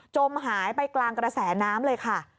จมหายไปกลางกระแสน้ำเลยค่ะ